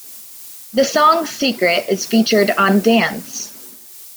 The song "Secret" is featured on "Dance!